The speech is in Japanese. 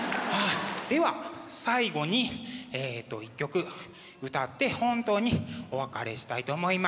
では最後に１曲歌って本当にお別れしたいと思います。